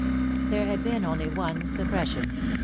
There had been only one suppression.